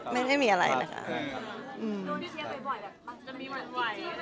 ไม่ได้มีอะไรนะครับ